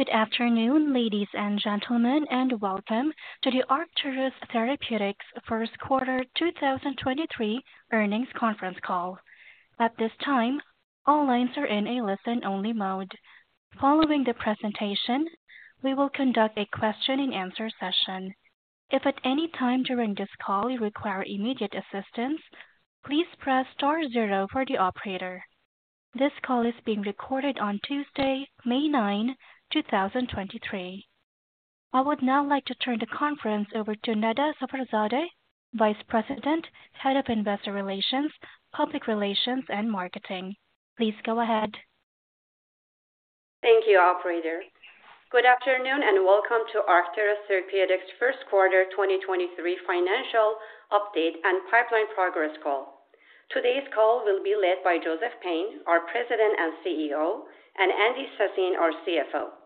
Good afternoon, ladies and gentlemen, and welcome to the Arcturus Therapeutics first quarter 2023 earnings conference call. At this time, all lines are in a listen-only mode. Following the presentation, we will conduct a question-and-answer session. If at any time during this call you require immediate assistance, please press star zero for the operator. This call is being recorded on Tuesday, May 9, 2023. I would now like to turn the conference over to Neda Safarzadeh, Vice President, Head of Investor Relations, Public Relations, and Marketing. Please go ahead. Thank you, operator. Good afternoon, and welcome to Arcturus Therapeutics' first quarter 2023 financial update and pipeline progress call. Today's call will be led by Joseph Payne, our President and CEO, and Andy Sassine, our CFO.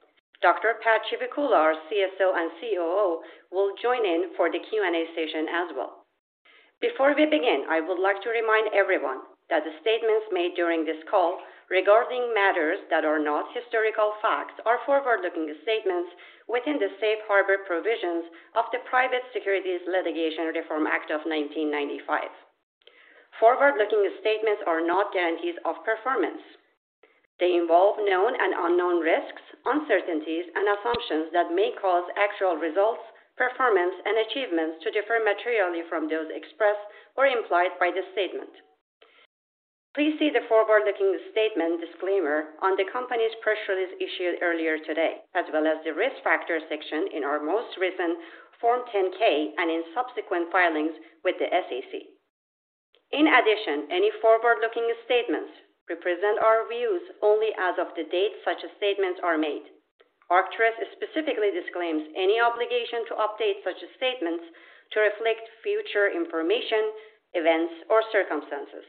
Dr. Pad Chivukula, our CSO and COO, will join in for the Q&A session as well. Before we begin, I would like to remind everyone that the statements made during this call regarding matters that are not historical facts are forward-looking statements within the safe harbor provisions of the Private Securities Litigation Reform Act of 1995. Forward-looking statements are not guarantees of performance. They involve known and unknown risks, uncertainties, and assumptions that may cause actual results, performance, and achievements to differ materially from those expressed or implied by the statement. Please see the forward-looking statement disclaimer on the company's press release issued earlier today, as well as the Risk Factors section in our most recent Form 10-K and in subsequent filings with the SEC. In addition, any forward-looking statements represent our views only as of the date such statements are made. Arcturus specifically disclaims any obligation to update such statements to reflect future information, events, or circumstances.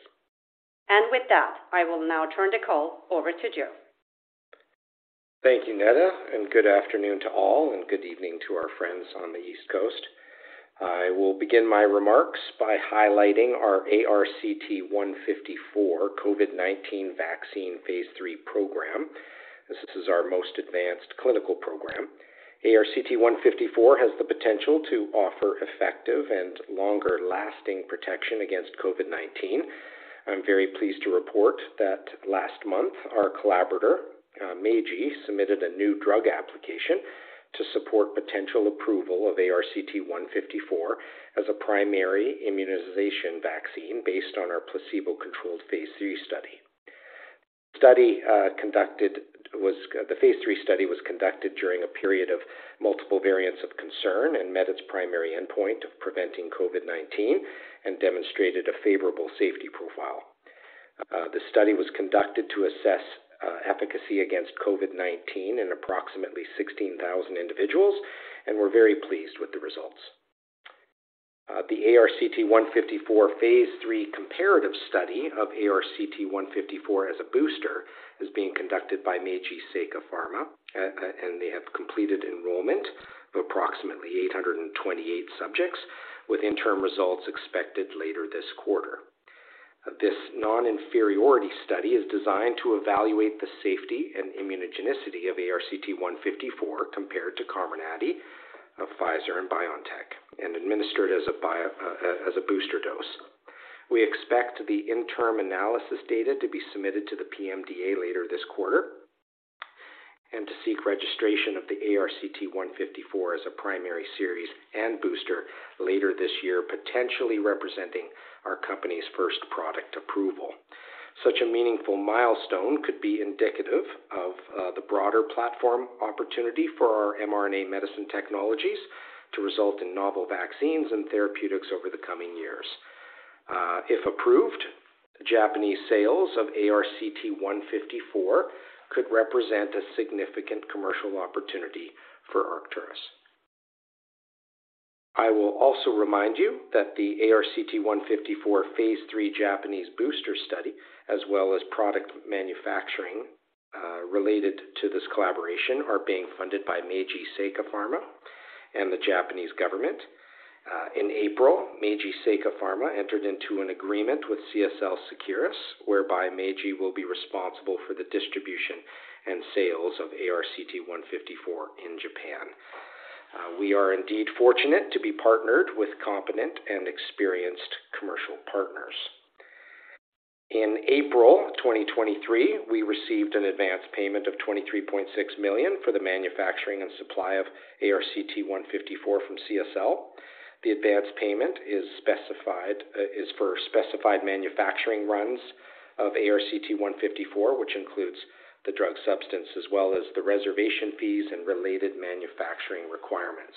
With that, I will now turn the call over to Joe. Thank you, Neda. Good afternoon to all. Good evening to our friends on the East Coast. I will begin my remarks by highlighting our ARCT-154 COVID-19 vaccine phase III program, as this is our most advanced clinical program. ARCT-154 has the potential to offer effective and longer-lasting protection against COVID-19. I'm very pleased to report that last month, our collaborator, Meiji, submitted a new drug application to support potential approval of ARCT-154 as a primary immunization vaccine based on our placebo-controlled phase III study. The phase III study was conducted during a period of multiple variants of concern and met its primary endpoint of preventing COVID-19 and demonstrated a favorable safety profile. The study was conducted to assess efficacy against COVID-19 in approximately 16,000 individuals. We're very pleased with the results. The ARCT-154 phase III comparative study of ARCT-154 as a booster is being conducted by Meiji Seika Pharma, and they have completed enrollment of approximately 828 subjects, with interim results expected later this quarter. This non-inferiority study is designed to evaluate the safety and immunogenicity of ARCT-154 compared to Comirnaty of Pfizer and BioNTech and administered as a booster dose. We expect the interim analysis data to be submitted to the PMDA later this quarter and to seek registration of the ARCT-154 as a primary series and booster later this year, potentially representing our company's first product approval. Such a meaningful milestone could be indicative of the broader platform opportunity for our mRNA medicine technologies to result in novel vaccines and therapeutics over the coming years. If approved, Japanese sales of ARCT-154 could represent a significant commercial opportunity for Arcturus. I will also remind you that the ARCT-154 phase III Japanese booster study, as well as product manufacturing, related to this collaboration, are being funded by Meiji Seika Pharma and the Japanese government. In April, Meiji Seika Pharma entered into an agreement with CSL Seqirus, whereby Meiji will be responsible for the distribution and sales of ARCT-154 in Japan. We are indeed fortunate to be partnered with competent and experienced commercial partners. In April 2023, we received an advance payment of $23.6 million for the manufacturing and supply of ARCT-154 from CSL. The advance payment is specified, is for specified manufacturing runs of ARCT-154, which includes the drug substance as well as the reservation fees and related manufacturing requirements.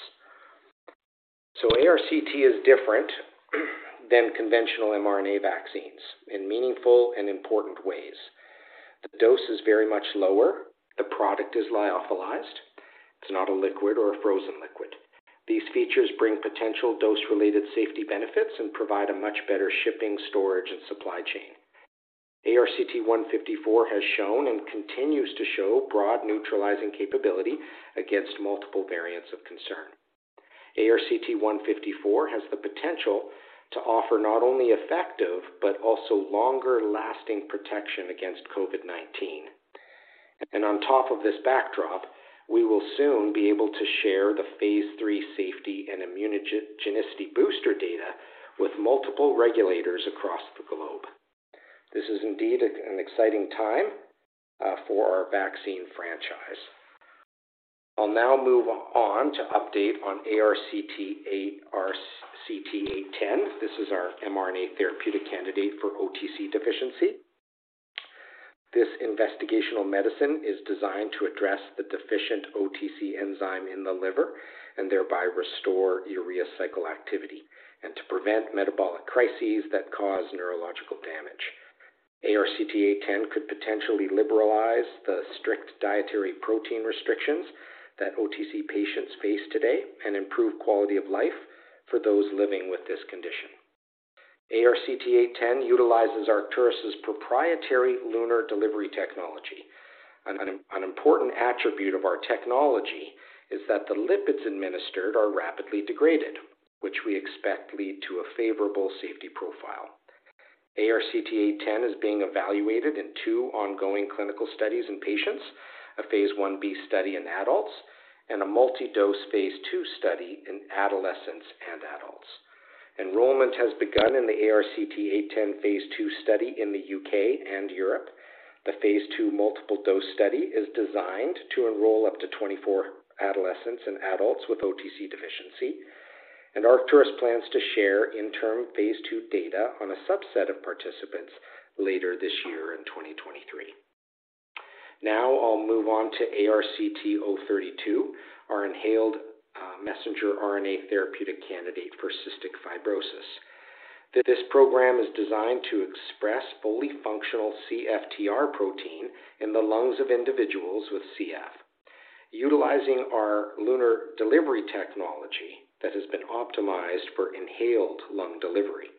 ARCT is different than conventional mRNA vaccines in meaningful and important ways. The dose is very much lower. The product is lyophilized. It's not a liquid or a frozen liquid. These features bring potential dose-related safety benefits and provide a much better shipping, storage, and supply chain. ARCT-154 has shown and continues to show broad neutralizing capability against multiple variants of concern. ARCT-154 has the potential to offer not only effective but also longer-lasting protection against COVID-19. On top of this backdrop, we will soon be able to share the phase III safety and immunogenicity booster data with multiple regulators across the globe. This is indeed an exciting time for our vaccine franchise. I'll now move on to update on ARCT-810. This is our mRNA therapeutic candidate for OTC deficiency. This investigational medicine is designed to address the deficient OTC enzyme in the liver and thereby restore urea cycle activity and to prevent metabolic crises that cause neurological damage. ARCT-810 could potentially liberalize the strict dietary protein restrictions that OTC patients face today and improve quality of life for those living with this condition. ARCT-810 utilizes Arcturus' proprietary LUNAR delivery technology. An important attribute of our technology is that the lipids administered are rapidly degraded, which we expect lead to a favorable safety profile. ARCT-810 is being evaluated in two ongoing clinical studies in patients, a phase I-B study in adults, and a multi-dose phase II study in adolescents and adults. Enrollment has begun in the ARCT-810 phase III study in the U.K. and Europe. The phase III multiple dose study is designed to enroll up to 24 adolescents and adults with OTC deficiency, Arcturus plans to share interim phase III data on a subset of participants later this year in 2023. I'll move on to ARCT-032, our inhaled messenger RNA therapeutic candidate for cystic fibrosis. This program is designed to express fully functional CFTR protein in the lungs of individuals with CF, utilizing our LUNAR delivery technology that has been optimized for inhaled lung delivery.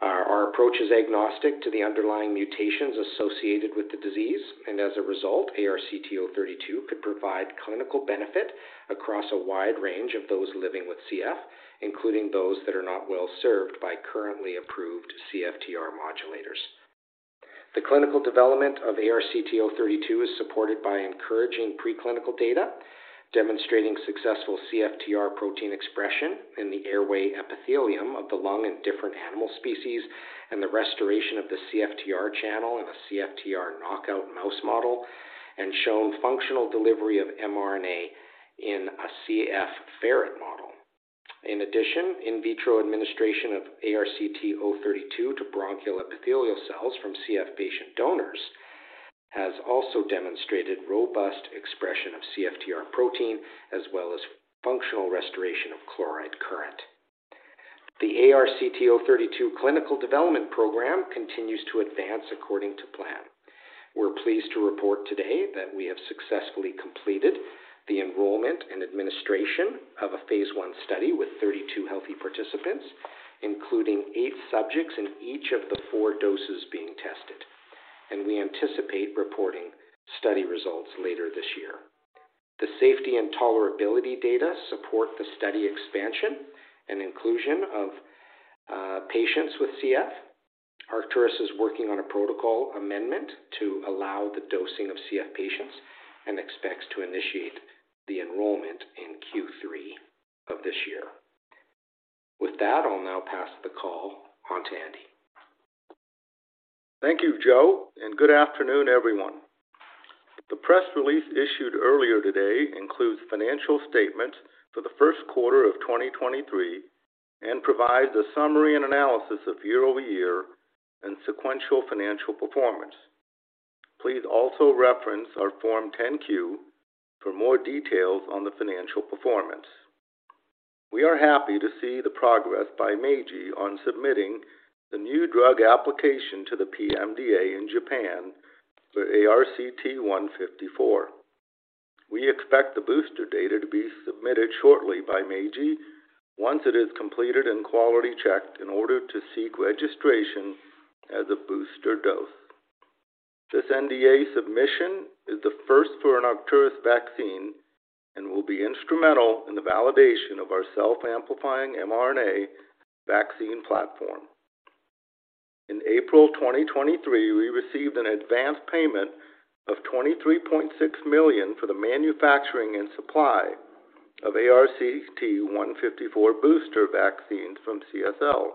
Our approach is agnostic to the underlying mutations associated with the disease, and as a result, ARCT-032 could provide clinical benefit across a wide range of those living with CF, including those that are not well served by currently approved CFTR modulators. The clinical development of ARCT-032 is supported by encouraging preclinical data, demonstrating successful CFTR protein expression in the airway epithelium of the lung in different animal species, and the restoration of the CFTR channel in a CFTR knockout mouse model, and shown functional delivery of mRNA in a CF ferret model. In addition, in vitro administration of ARCT-032 to bronchial epithelial cells from CF patient donors has also demonstrated robust expression of CFTR protein as well as functional restoration of chloride current. The ARCT-032 clinical development program continues to advance according to plan. We're pleased to report today that we have successfully completed the enrollment and administration of a phase I study with 32 healthy participants, including eight subjects in each of the four doses being tested, and we anticipate reporting study results later this year. The safety and tolerability data support the study expansion and inclusion of patients with CF. Arcturus is working on a protocol amendment to allow the dosing of CF patients and expects to initiate the enrollment in Q3 of this year. With that, I'll now pass the call on to Andy. Thank you, Joe. Good afternoon, everyone. The press release issued earlier today includes financial statements for the first quarter of 2023 and provides a summary and analysis of year-over-year and sequential financial performance. Please also reference our Form 10-Q for more details on the financial performance. We are happy to see the progress by Meiji on submitting the new drug application to the PMDA in Japan for ARCT-154. We expect the booster data to be submitted shortly by Meiji once it is completed and quality checked in order to seek registration as a booster dose. This NDA submission is the first for an Arcturus vaccine and will be instrumental in the validation of our self-amplifying mRNA vaccine platform. In April 2023, we received an advance payment of $23.6 million for the manufacturing and supply of ARCT-154 booster vaccines from CSL.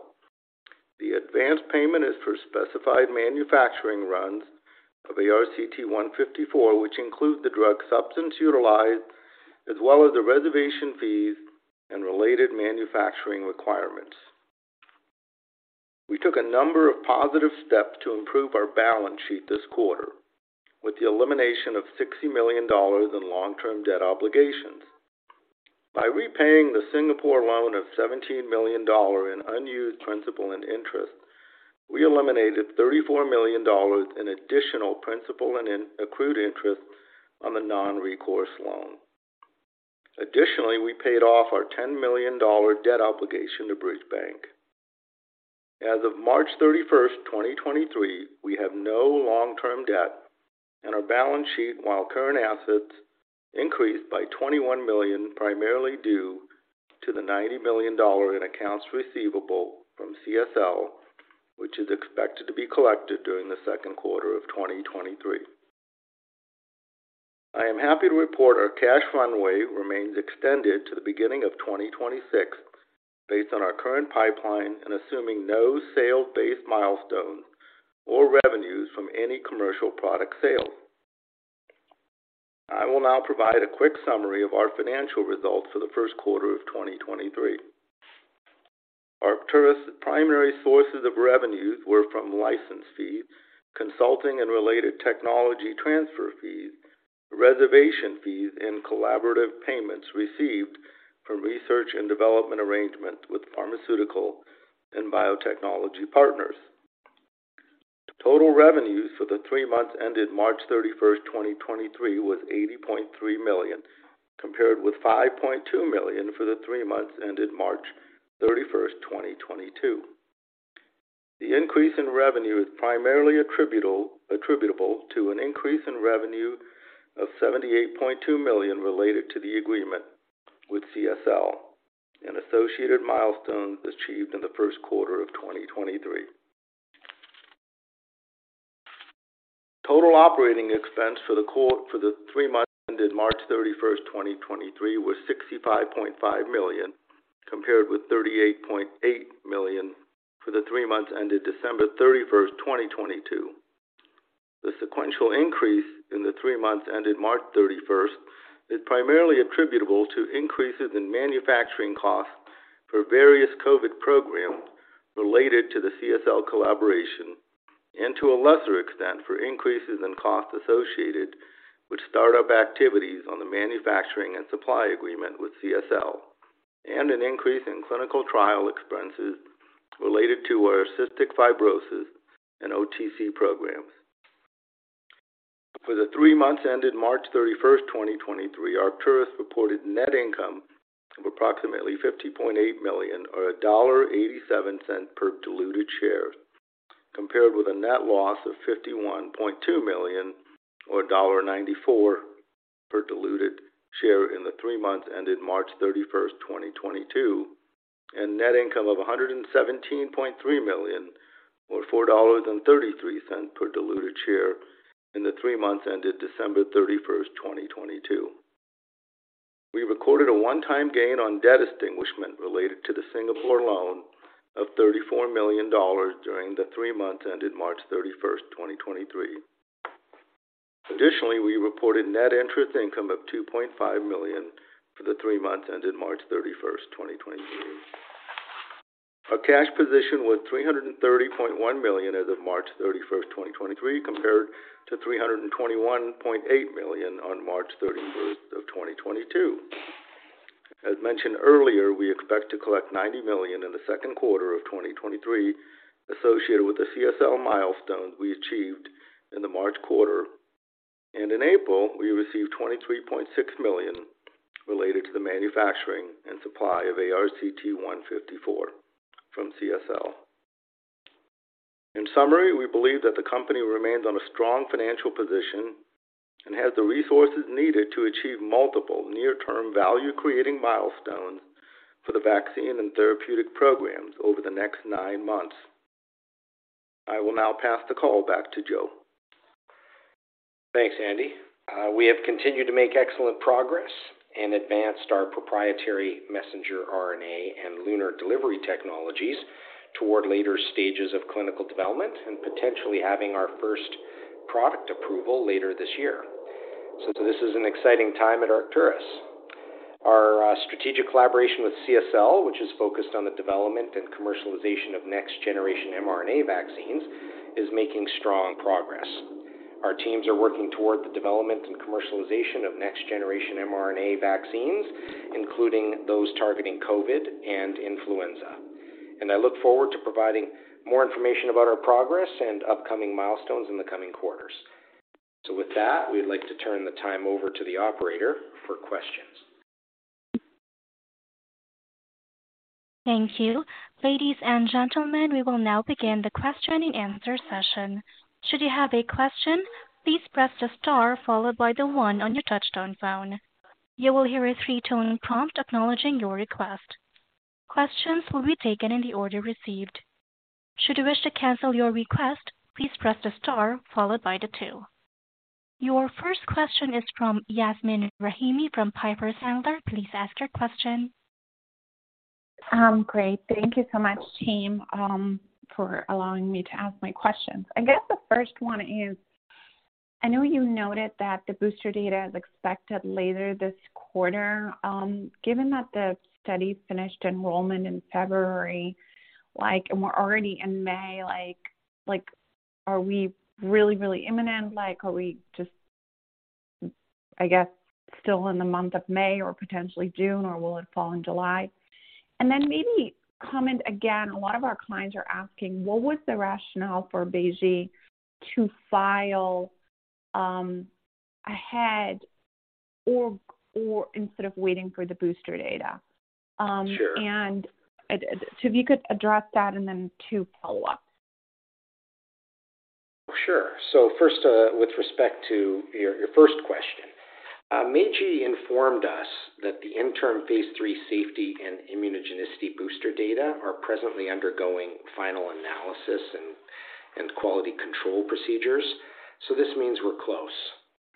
The advance payment is for specified manufacturing runs of ARCT-154, which include the drug substance utilized as well as the reservation fees and related manufacturing requirements. We took a number of positive steps to improve our balance sheet this quarter with the elimination of $60 million in long-term debt obligations. By repaying the Singapore loan of $17 million in unused principal and interest, we eliminated $34 million in additional principal and accrued interest on the non-recourse loan. Additionally, we paid off our $10 million debt obligation to Bridge Bank. As of March 31st, 2023, we have no long-term debt in our balance sheet, while current assets increased by $21 million, primarily due to the $90 million in accounts receivable from CSL, which is expected to be collected during the second quarter of 2023. I am happy to report our cash runway remains extended to the beginning of 2026 based on our current pipeline and assuming no sale-based milestone or revenues from any commercial product sale. I will now provide a quick summary of our financial results for the first quarter of 2023. Arcturus primary sources of revenues were from license fees, consulting and related technology transfer fees, reservation fees, and collaborative payments received from research and development arrangement with pharmaceutical and biotechnology partners. Total revenues for the three months ended March 31st, 2023 was $80.3 million, compared with $5.2 million for the three months ended March 31st, 2022. The increase in revenue is primarily attributable to an increase in revenue of $78.2 million related to the agreement with CSL and associated milestones achieved in the first quarter of 2023. Total operating expense for the three months ended March 31st, 2023 was $65.5 million, compared with $38.8 million for the three months ended December 31st, 2022. The sequential increase in the three months ended March 31st is primarily attributable to increases in manufacturing costs for various COVID programs related to the CSL collaboration, and to a lesser extent, for increases in costs associated with start-up activities on the manufacturing and supply agreement with CSL, and an increase in clinical trial expenses related to our cystic fibrosis and OTC programs. For the three months ended March 31st, 2023, Arcturus reported net income of approximately $50.8 million or $1.87 per diluted share, compared with a net loss of $51.2 million or $1.94 per diluted share in the three months ended March 31st, 2022, and net income of $117.3 million or $4.33 per diluted share in the three months ended December 31st, 2022. We recorded a one-time gain on debt extinguishment related to the Singapore loan of $34 million during the three months ended March 31st, 2023. Additionally, we reported net interest income of $2.5 million for the three months ended March 31st, 2023. Our cash position was $330.1 million as of March 31st, 2023, compared to $321.8 million on March 31st, 2022. As mentioned earlier, we expect to collect $90 million in the second quarter of 2023 associated with the CSL milestones we achieved in the March quarter. In April, we received $23.6 million related to the manufacturing and supply of ARCT-154 from CSL. In summary, we believe that the company remains on a strong financial position and has the resources needed to achieve multiple near-term value creating milestones for the vaccine and therapeutic programs over the next nine months. I will now pass the call back to Joe. Thanks, Andy. We have continued to make excellent progress and advanced our proprietary messenger RNA and LUNAR delivery technologies toward later stages of clinical development and potentially having our first product approval later this year. This is an exciting time at Arcturus. Our strategic collaboration with CSL, which is focused on the development and commercialization of next-generation mRNA vaccines, is making strong progress. Our teams are working toward the development and commercialization of next-generation mRNA vaccines, including those targeting COVID and influenza. I look forward to providing more information about our progress and upcoming milestones in the coming quarters. With that, we'd like to turn the time over to the operator for questions. Thank you. Ladies and gentlemen, we will now begin the question and answer session. Should you have a question, please press the star followed by the one on your touch-tone phone. You will hear a three-tone prompt acknowledging your request. Questions will be taken in the order received. Should you wish to cancel your request, please press the star followed by the two. Your first question is from Yasmeen Rahimi from Piper Sandler. Please ask your question. Great. Thank you so much team, for allowing me to ask my questions. The first one is, I know you noted that the booster data is expected later this quarter. Given that the study finished enrollment in February, and we're already in May, are we really imminent? Are we just, still in the month of May or potentially June, or will it fall in July? Then maybe comment again, a lot of our clients are asking, what was the rationale for Meiji Seika Pharma to file, ahead or instead of waiting for the booster data. Sure. If you could address that and then two follow-ups. Sure. First, with respect to your first question, Meiji informed us that the interim phase III safety and immunogenicity booster data are presently undergoing final analysis and quality control procedures. This means we're close,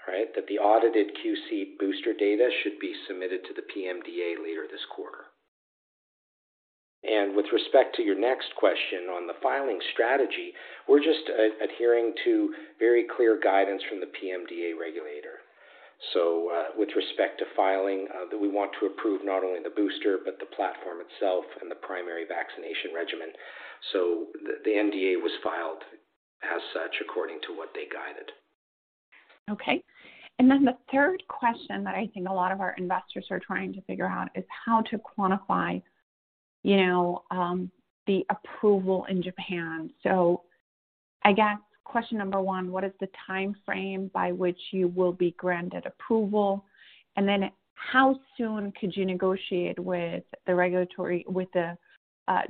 right? That the audited QC booster data should be submitted to the PMDA later this quarter. With respect to your next question on the filing strategy, we're just adhering to very clear guidance from the PMDA regulator. With respect to filing, that we want to approve not only the booster but the platform itself and the primary vaccination regimen. The NDA was filed as such according to what they guided. Okay. Then the third question that I think a lot of our investors are trying to figure out is how to quantify, you know, the approval in Japan. I guess question number one, what is the time frame by which you will be granted approval? Then how soon could you negotiate with the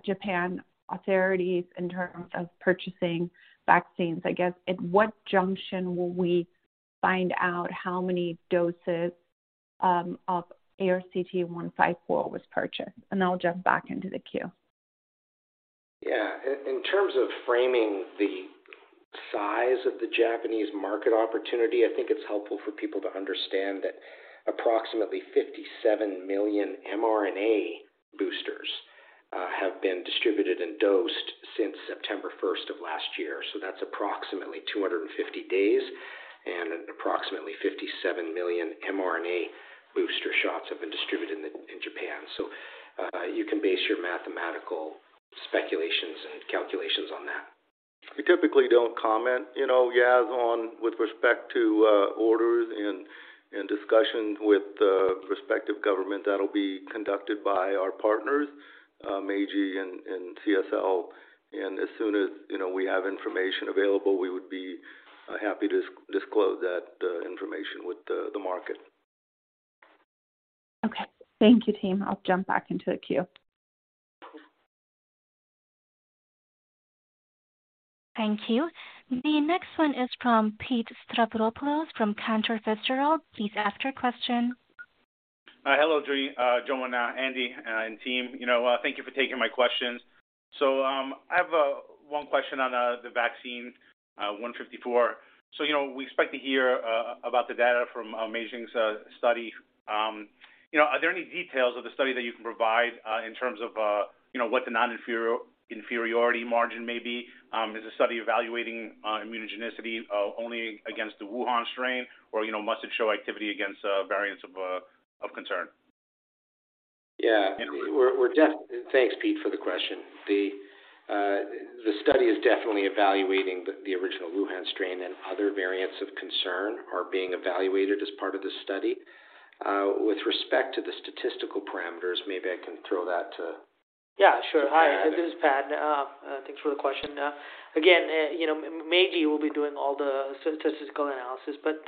Japan authorities in terms of purchasing vaccines? I guess at what junction will we find out how many doses of ARCT-154 was purchased? I'll jump back into the queue. Yeah. In terms of framing the size of the Japanese market opportunity, I think it's helpful for people to understand that approximately 57 million mRNA boosters have been distributed and dosed since September 1st of last year. That's approximately 250 days, and approximately 57 million mRNA booster shots have been distributed in Japan. You can base your mathematical speculations and calculations on that. We typically don't comment, you know, Yas, on with respect to orders and discussions with the respective government that'll be conducted by our partners, Meiji and CSL. As soon as, you know, we have information available, we would be happy to disclose that information with the market. Okay. Thank you, team. I'll jump back into the queue. Thank you. The next one is from Pete Stavropoulos from Cantor Fitzgerald. Please ask your question. Hello, Dre, Joe and Andy and team, you know, thank you for taking my questions. I have one question on the vaccine ARCT-154. You know, we expect to hear about the data from Meiji Seika Pharma's study. You know, are there any details of the study that you can provide in terms of, you know, what the non-inferiority margin may be? Is the study evaluating immunogenicity only against the Wuhan strain or, you know, must it show activity against variants of concern? Yeah. And- Thanks, Pete, for the question. The study is definitely evaluating the original Wuhan strain and other variants of concern are being evaluated as part of this study. With respect to the statistical parameters, maybe I can throw that. Yeah, sure. To Pad. Hi, this is Pad. Thanks for the question. Again, you know, Meiji will be doing all the statistical analysis, but,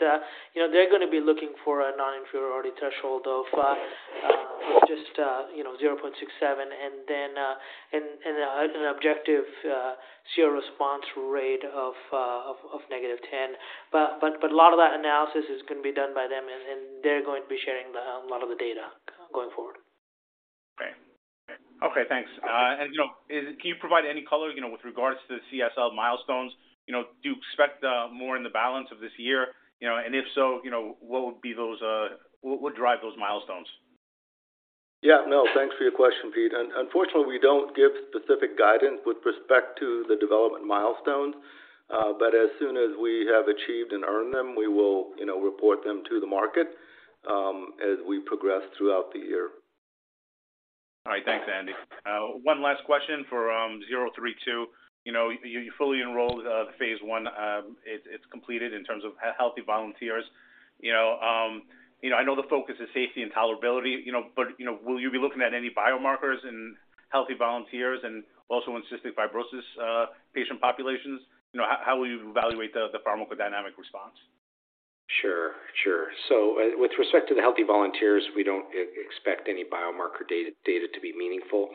you know, they're going to be looking for a non-inferiority threshold of 0.67 and an objective zero response rate of -10. A lot of that analysis is going to be done by them, and they're going to be sharing a lot of the data going forward. Okay. Okay, thanks. You know, can you provide any color, you know, with regards to the CSL milestones? You know, do you expect more in the balance of this year? You know, if so, you know, what would be those, what would drive those milestones? Thanks for your question, Pete. Unfortunately, we don't give specific guidance with respect to the development milestones, as soon as we have achieved and earned them, we will, you know, report them to the market as we progress throughout the year. All right. Thanks, Andy. One last question for ARCT-032. You know, you fully enrolled the phase I. It's completed in terms of healthy volunteers. You know, I know the focus is safety and tolerability, you know, but, you know, will you be looking at any biomarkers in healthy volunteers and also in cystic fibrosis patient populations? You know, how will you evaluate the pharmacodynamic response? Sure. Sure. With respect to the healthy volunteers, we don't expect any biomarker data to be meaningful.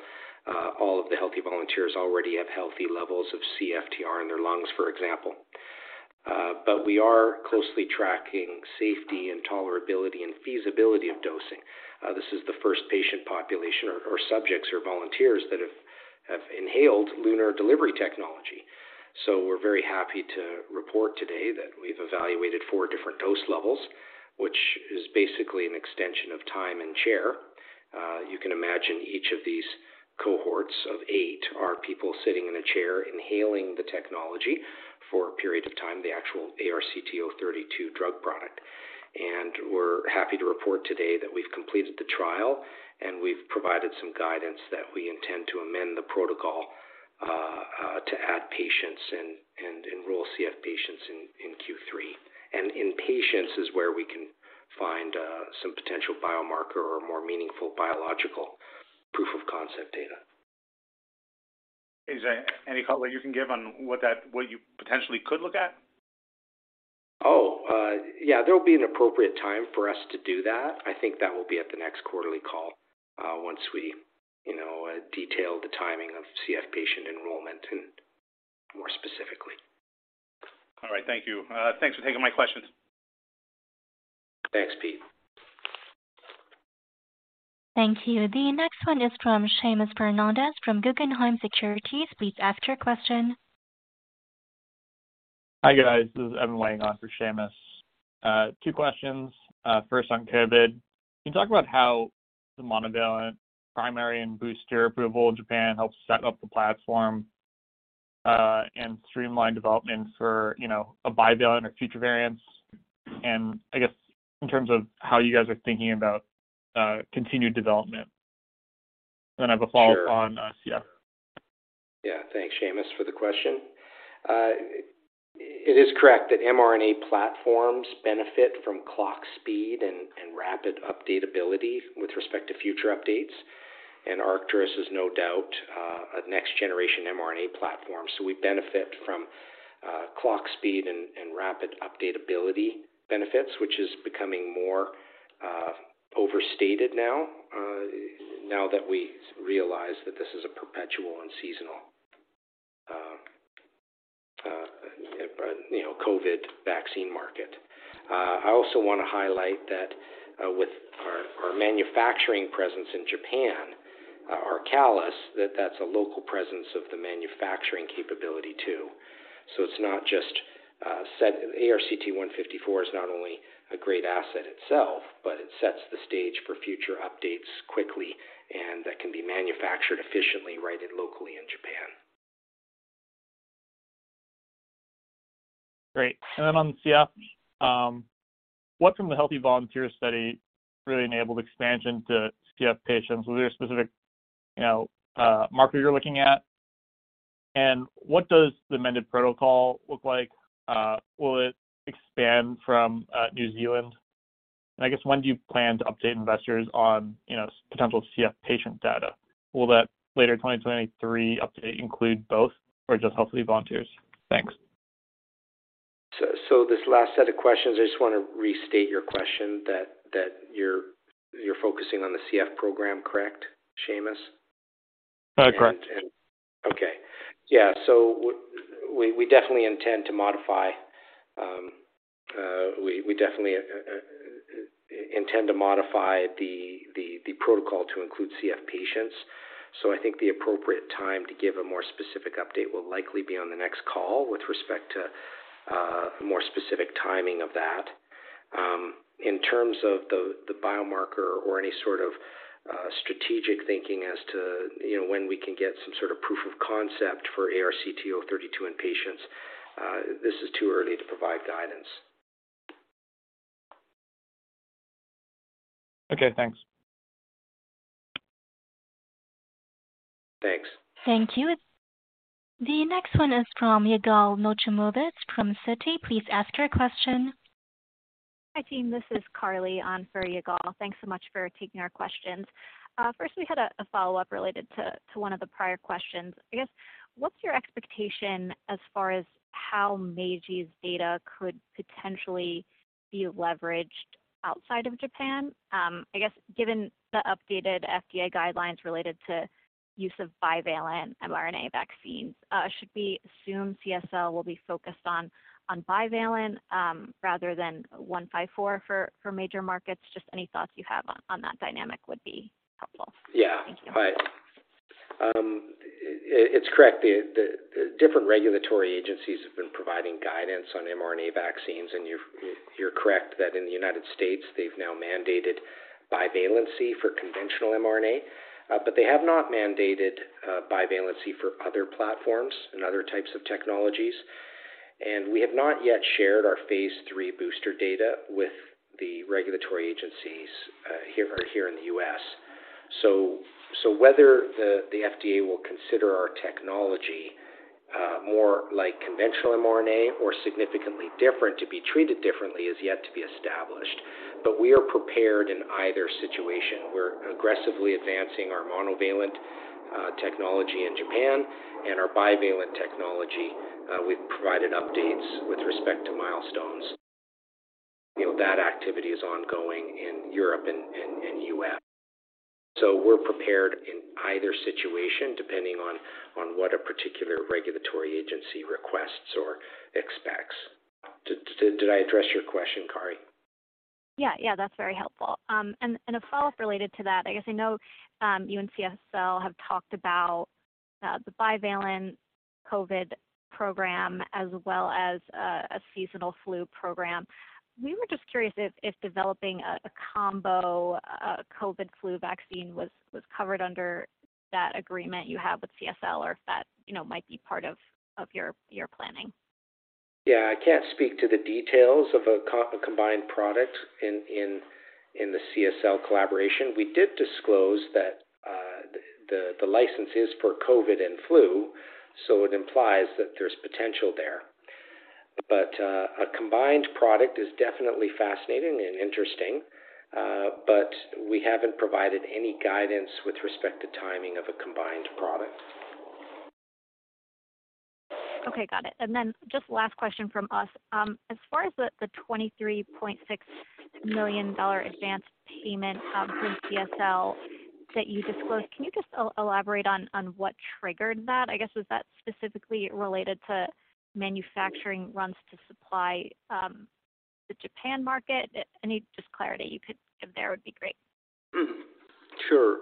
All of the healthy volunteers already have healthy levels of CFTR in their lungs, for example. We are closely tracking safety and tolerability and feasibility of dosing. This is the first patient population or subjects or volunteers that have inhaled LUNAR delivery technology. We're very happy to report today that we've evaluated four different dose levels, which is basically an extension of time and chair. You can imagine each of these cohorts of eight are people sitting in a chair inhaling the technology for a period of time, the actual ARCT-032 drug product. We're happy to report today that we've completed the trial, and we've provided some guidance that we intend to amend the protocol to add patients and enroll CF patients in Q3. In patients is where we can find some potential biomarker or more meaningful biological proof of concept data. Is there any color you can give on what that, what you potentially could look at? Yeah, there will be an appropriate time for us to do that. I think that will be at the next quarterly call, once we, you know, detail the timing of CF patient enrollment and more specifically. All right. Thank you. thanks for taking my questions. Thanks, Pete. Thank you. The next one is from Seamus Fernandez from Guggenheim Securities. Please ask your question. Hi, guys. This is Evan weighing on for Seamus. Two questions. First on COVID. Can you talk about how the monovalent primary and booster approval in Japan helps set up the platform, and streamline development for, you know, a bivalent or future variants? I guess in terms of how you guys are thinking about, continued development. I have a follow-up on CF. Yeah. Thanks, Seamus, for the question. It is correct that mRNA platforms benefit from clock speed and rapid updatability with respect to future updates. Arcturus is no doubt a next generation mRNA platform. We benefit from clock speed and rapid updatability benefits, which is becoming more overstated now that we realize that this is a perpetual and seasonal, you know, COVID vaccine market. I also want to highlight that with our manufacturing presence in Japan, ARCALIS, that that's a local presence of the manufacturing capability too. It's not just ARCT-154 is not only a great asset itself, but it sets the stage for future updates quickly, and that can be manufactured efficiently right locally in Japan. Great. Then on CF, what from the healthy volunteer study really enabled expansion to CF patients? Was there a specific, you know, marker you're looking at? What does the amended protocol look like? Will it expand from New Zealand? I guess when do you plan to update investors on, you know, potential CF patient data? Will that later 2023 update include both or just healthy volunteers? Thanks. This last set of questions, I just want to restate your question that you're focusing on the CF program, correct, Seamus? Correct. We definitely intend to modify the protocol to include CF patients. I think the appropriate time to give a more specific update will likely be on the next call with respect to more specific timing of that. In terms of the biomarker or any sort of strategic thinking as to, you know, when we can get some sort of proof of concept for ARCT-032 in patients, this is too early to provide guidance. Okay, thanks. Thanks. Thank you. The next one is from Yigal Nochomovitz from Citi. Please ask your question. Hi, team. This is Carly on for Yigal. Thanks so much for taking our questions. First, we had a follow-up related to one of the prior questions. I guess, what's your expectation as far as how Meiji's data could potentially be leveraged outside of Japan? I guess given the updated FDA guidelines related to use of bivalent mRNA vaccines, should we assume CSL will be focused on bivalent rather than ARCT-154 for major markets? Just any thoughts you have on that dynamic would be helpful. Yeah. Thank you. Right. It's correct. The different regulatory agencies have been providing guidance on mRNA vaccines. You're correct that in the United States, they've now mandated bivalency for conventional mRNA. They have not mandated bivalency for other platforms and other types of technologies. We have not yet shared our phase three booster data with the regulatory agencies here in the U.S. Whether the FDA will consider our technology more like conventional mRNA or significantly different to be treated differently is yet to be established. We are prepared in either situation. We're aggressively advancing our monovalent technology in Japan and our bivalent technology. We've provided updates with respect to milestones. You know, that activity is ongoing in Europe and U.S. We're prepared in either situation, depending on what a particular regulatory agency requests or expects. Did I address your question, Carly? Yeah, yeah. That's very helpful. A follow-up related to that. I guess I know, you and CSL have talked about the bivalent COVID program as well as a seasonal flu program. We were just curious if developing a combo COVID flu vaccine was covered under that agreement you have with CSL, or if that, you know, might be part of your planning? Yeah. I can't speak to the details of a combined product in the CSL collaboration. We did disclose that the license is for COVID and flu, it implies that there's potential there. A combined product is definitely fascinating and interesting, we haven't provided any guidance with respect to timing of a combined product. Okay, got it. Just last question from us. As far as the $23.6 million advance payment from CSL that you disclosed, can you just elaborate on what triggered that? I guess, was that specifically related to manufacturing runs to supply the Japan market? Any just clarity you could give there would be great. Sure.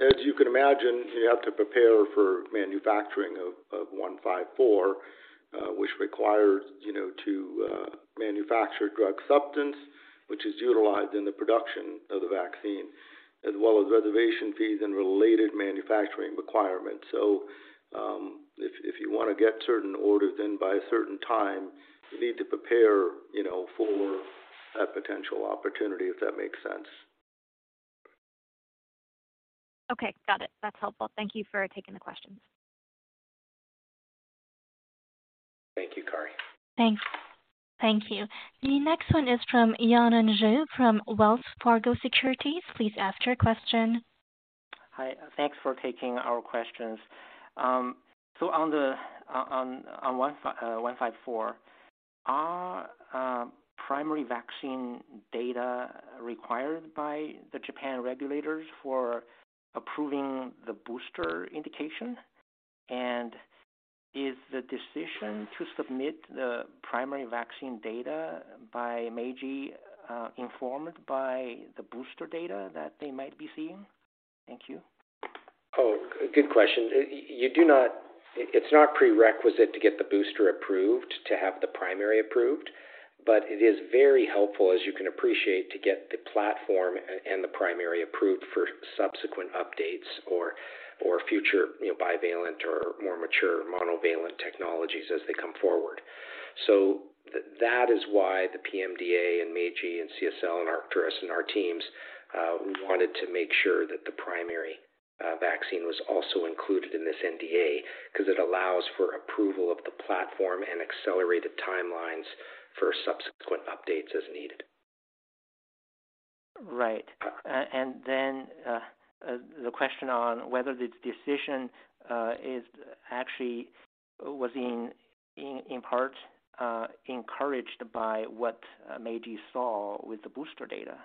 As you can imagine, you have to prepare for manufacturing of ARCT-154, which requires, you know, to manufacture drug substance, which is utilized in the production of the vaccine, as well as reservation fees and related manufacturing requirements. If you want to get certain orders in by a certain time, you need to prepare, you know, for a potential opportunity, if that makes sense. Okay, got it. That's helpful. Thank you for taking the questions. Thank you, Carly. Thanks. Thank you. The next one is from Yanan Zhu from Wells Fargo Securities. Please ask your question. Hi. Thanks for taking our questions. On ARCT-154, are primary vaccine data required by the Japan regulators for approving the booster indication? Is the decision to submit the primary vaccine data by Meiji informed by the booster data that they might be seeing? Thank you. Oh, good question. It's not prerequisite to get the booster approved to have the primary approved, but it is very helpful, as you can appreciate, to get the platform and the primary approved for subsequent updates or future, you know, bivalent or more mature monovalent technologies as they come forward. That is why the PMDA and Meiji and CSL and us and our teams, we wanted to make sure that the primary vaccine was also included in this NDA 'cause it allows for approval of the platform and accelerated timelines for subsequent updates as needed. Right. The question on whether the decision is actually was in part encouraged by what Meiji saw with the booster data.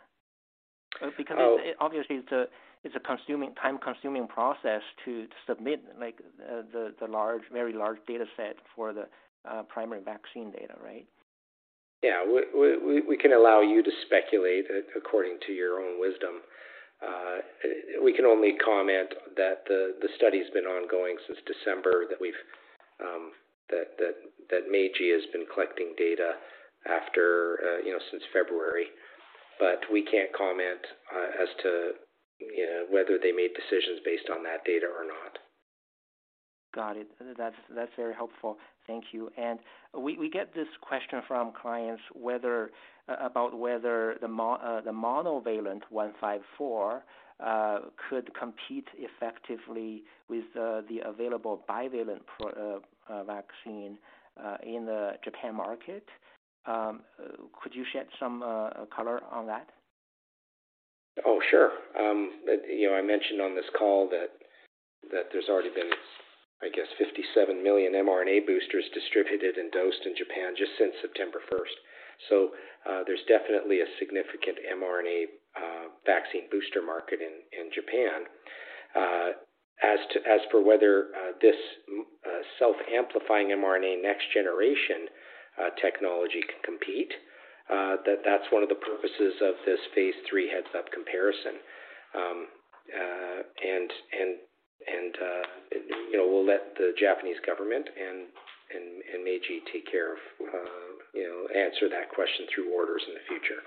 Obviously it's a consuming, time-consuming process to submit like the large, very large data set for the primary vaccine data, right? Yeah. We can allow you to speculate according to your own wisdom. We can only comment that the study's been ongoing since December, that we've that Meiji has been collecting data after, you know, since February. We can't comment as to, you know, whether they made decisions based on that data or not. Got it. That's very helpful. Thank you. We get this question from clients, about whether the monovalent ARCT-154 could compete effectively with the available bivalent vaccine in the Japan market. Could you shed some color on that? Sure. You know, I mentioned on this call that there's already been, I guess, 57 million mRNA boosters distributed and dosed in Japan just since September 1st. There's definitely a significant mRNA vaccine booster market in Japan. As for whether this self-amplifying mRNA next generation technology can compete, that's one of the purposes of this phase III heads-up comparison. You know, we'll let the Japanese government and Meiji take care of, you know, answer that question through orders in the future.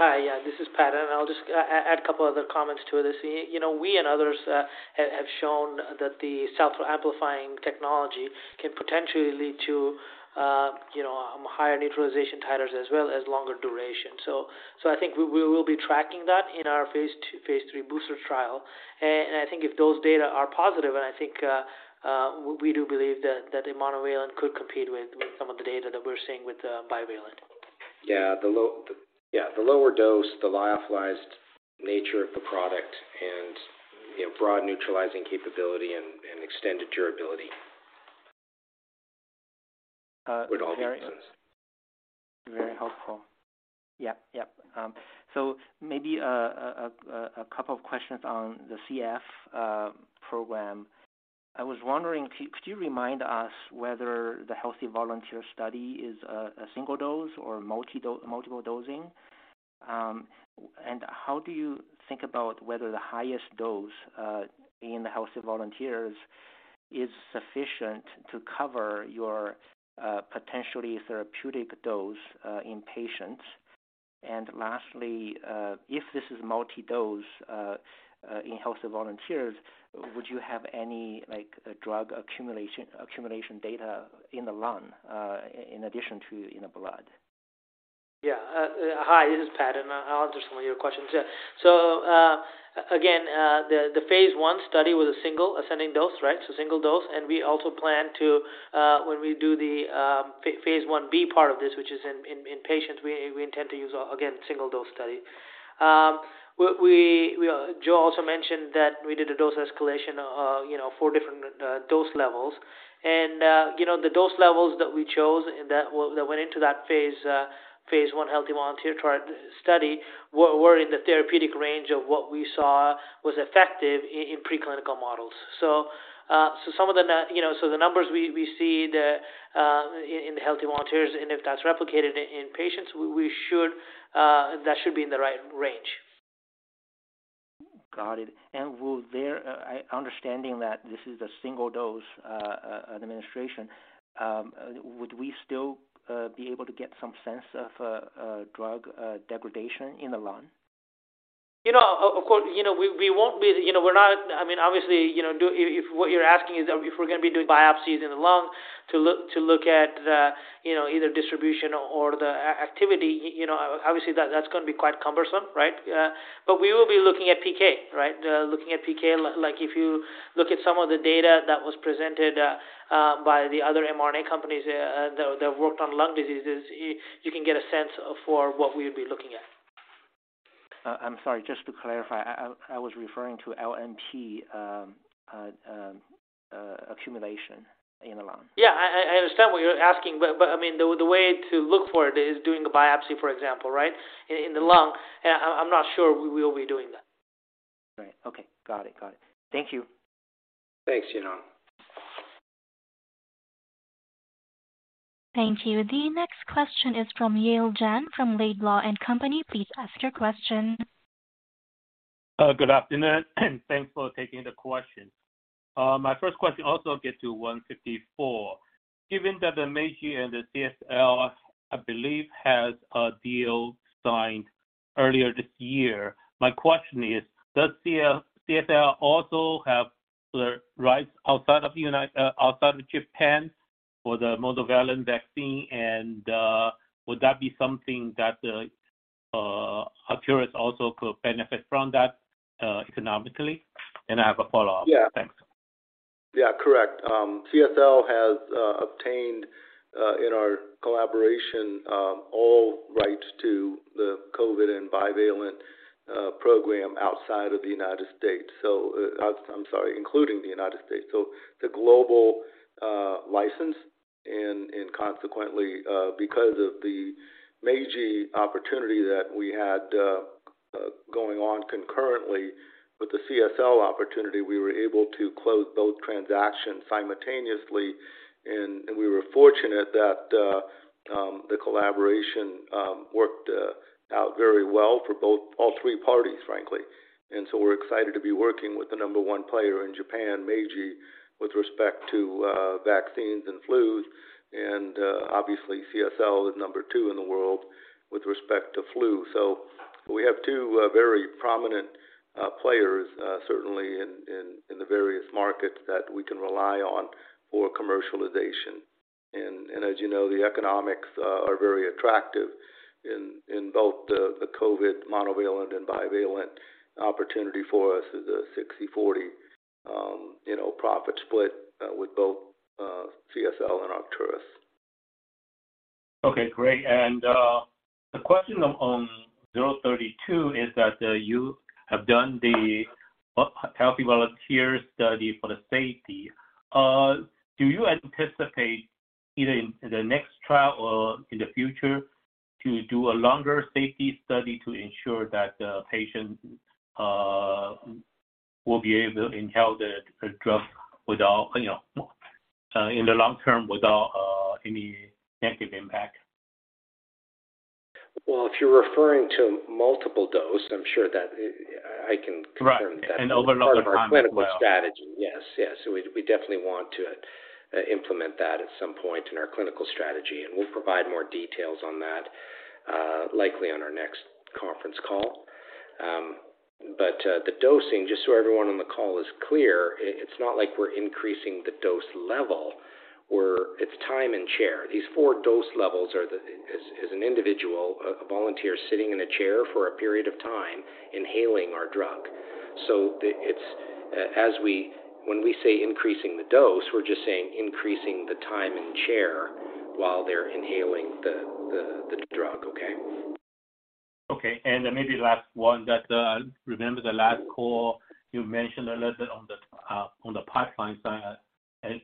Hi. Yeah, this is Pad, and I'll just add a couple other comments to this. You know, we and others have shown that the self-amplifying technology can potentially lead to, you know, higher neutralization titers as well as longer duration. So I think we will be tracking that in our phase two, phase three booster trial. I think if those data are positive, and I think we do believe that the monovalent could compete with some of the data that we're seeing with the bivalent. Yeah, the lower dose, the lyophilized nature of the product and, you know, broad neutralizing capability and extended durability. Uh, very- Would all be reasons. Very helpful. Yeah. Yeah. Maybe a couple of questions on the CF program. I was wondering, could you remind us whether the healthy volunteer study is a single dose or multiple dosing? How do you think about whether the highest dose in the healthy volunteers is sufficient to cover your potentially therapeutic dose in patients? Lastly, if this is multi-dose in healthy volunteers, would you have any, like, drug accumulation data in the lung, in addition to in the blood? Yeah. Hi, this is Pad, and I'll answer some of your questions. Yeah. Again, the phase I study was a single ascending dose, right? Single dose. We also plan to, when we do the phase I-B part of this, which is in patients, we intend to use, again, single dose study. What Joe also mentioned that we did a dose escalation of, you know, four different dose levels. You know, the dose levels that we chose and that went into that phase I healthy volunteer trial study were in the therapeutic range of what we saw was effective in preclinical models. Some of the nu... You know, the numbers we see in the healthy volunteers, and if that's replicated in patients, we should, that should be in the right range. Got it. Understanding that this is a single dose administration, would we still be able to get some sense of drug degradation in the lung? You know, of course, you know, we won't be, you know, we're not. I mean, obviously, you know, if what you're asking is if we're gonna be doing biopsies in the lung to look, to look at, you know, either distribution or activity, you know, obviously, that's gonna be quite cumbersome, right? We will be looking at PK, right? Looking at PK, like if you look at some of the data that was presented by the other mRNA companies that worked on lung diseases, you can get a sense for what we would be looking at. I'm sorry. Just to clarify, I was referring to LNP accumulation in the lung. Yeah. I understand what you're asking, but I mean, the way to look for it is doing a biopsy, for example, right, in the lung. I'm not sure we will be doing that. Right. Okay. Got it, got it. Thank you. Thanks, Yanan. Thank you. The next question is from Yale Jen from Laidlaw & Company. Please ask your question. Good afternoon, and thanks for taking the question. My first question also get to ARCT-154. Given that the Meiji and the CSL, I believe, has a deal signed earlier this year, my question is, does CSL also have the rights outside of Japan for the monovalent vaccine? Would that be something that Arcturus also could benefit from that economically? I have a follow-up. Yeah. Thanks. Yeah, correct. CSL has obtained in our collaboration all rights to the COVID and bivalent program outside of the United States. I'm sorry, including the United States. The global license and consequently because of the Meiji opportunity that we had going on concurrently with the CSL opportunity, we were able to close both transactions simultaneously. We were fortunate that the collaboration worked out very well for both, all three parties, frankly. We're excited to be working with the number one player in Japan, Meiji, with respect to vaccines and flus. Obviously, CSL is number two in the world with respect to flu. We have two very prominent players certainly in the various markets that we can rely on for commercialization. As you know, the economics are very attractive in both the COVID monovalent and bivalent opportunity for us is a 60/40, you know, profit split with both CSL and Arcturus. Okay, great. The question on ARCT-032 is that you have done the healthy volunteer study for the safety. Do you anticipate either in the next trial or in the future to do a longer safety study to ensure that the patients will be able to inhale the drug without, you know, in the long term without any negative impact? Well, if you're referring to multiple dose, I'm sure that I can confirm that. Right. Over a longer time as well. That's part of our clinical strategy. Yes. We definitely want to implement that at some point in our clinical strategy. We'll provide more details on that likely on our next conference call. The dosing, just so everyone on the call is clear, it's not like we're increasing the dose level. It's time in chair. These four dose levels are the, as an individual, a volunteer sitting in a chair for a period of time inhaling our drug. It's, as when we say increasing the dose, we're just saying increasing the time in chair while they're inhaling the drug. Okay? Okay. Maybe last one that, I remember the last call you mentioned a little bit on the pipeline side and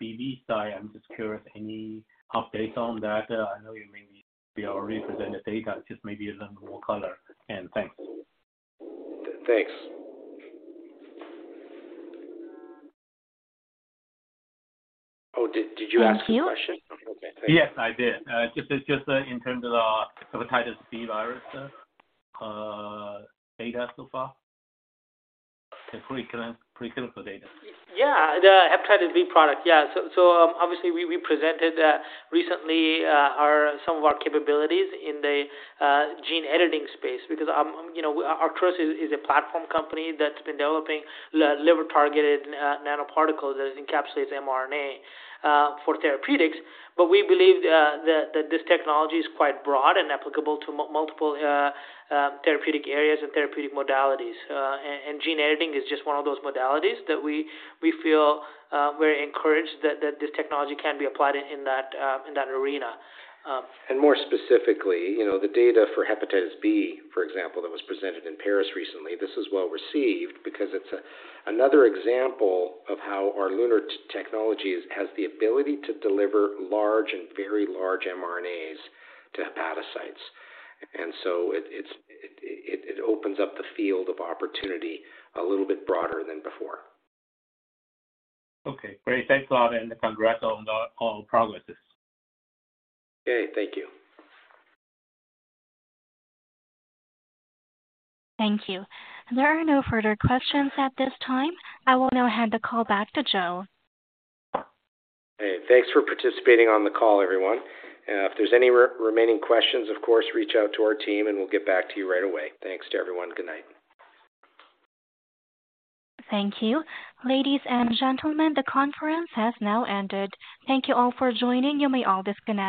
HBV side. I'm just curious, any updates on that? I know you maybe already presented data, just maybe a little more color. Thanks. thanks. Oh, did you ask a question? Thank you. Yes, I did. Just in terms of the hepatitis B virus data so far. The preclinical data. Yeah, the hepatitis B product. Yeah. obviously we presented recently our some of our capabilities in the gene editing space because, you know, Arcturus is a platform company that's been developing liver-targeted nanoparticles that encapsulates mRNA for therapeutics. we believe that this technology is quite broad and applicable to multiple therapeutic areas and therapeutic modalities. gene editing is just one of those modalities that we feel very encouraged that this technology can be applied in that arena. More specifically, you know, the data for hepatitis B, for example, that was presented in Paris recently, this was well received because it's another example of how our LUNAR technology has the ability to deliver large and very large mRNAs to hepatocytes. It, it's, it, it opens up the field of opportunity a little bit broader than before. Okay, great. Thanks a lot. Congrats on the progress. Okay. Thank you. Thank you. There are no further questions at this time. I will now hand the call back to Joe. Hey, thanks for participating on the call, everyone. If there's any remaining questions, of course, reach out to our team, and we'll get back to you right away. Thanks to everyone. Good night. Thank you. Ladies and gentlemen, the conference has now ended. Thank you all for joining. You may all disconnect.